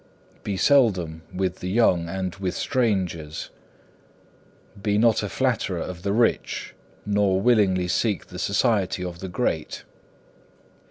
Be seldom with the young and with strangers. Be not a flatterer of the rich; nor willingly seek the society of the great.